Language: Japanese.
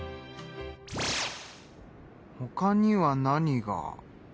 ほかには何が。